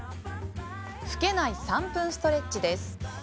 老けない３分ストレッチです。